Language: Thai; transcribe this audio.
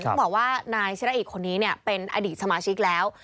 ต้องบอกว่านายชิราอีกคนนี้เป็นอดีตสมาชิกแล้ว